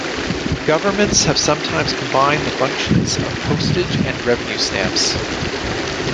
Governments have sometimes combined the functions of postage and revenue stamps.